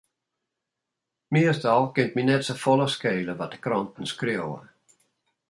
Meastal kin it my net safolle skele wat de kranten skriuwe.